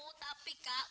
oh tapi kak